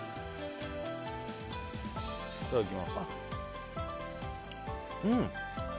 いただきます。